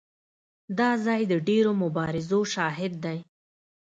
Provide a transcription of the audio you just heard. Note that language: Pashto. دا ځای د ډېرو مبارزو شاهد دی.